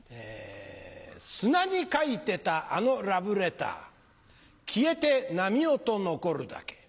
砂に書いてたあのラブレター消えて波音残るだけ。